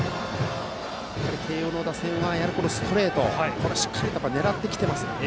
やはり慶応打線はストレートをしっかり狙ってきていますね。